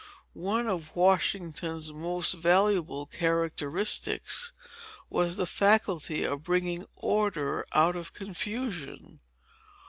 One of Washington's most invaluable characteristics, was the faculty of bringing order out of confusion.